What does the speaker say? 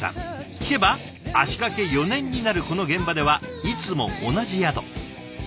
聞けば足かけ４年になるこの現場ではいつも同じ宿。